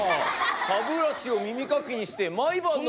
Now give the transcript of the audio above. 歯ブラシを耳かきにして毎晩。